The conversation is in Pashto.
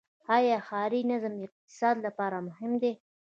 آیا ښاري نظم د اقتصاد لپاره مهم دی؟